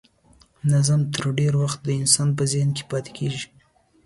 نظم تر ډېر وخت د انسان په ذهن کې پاتې کیږي.